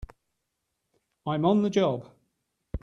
I'm on the job!